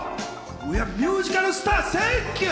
ミュージカルスター、センキュー！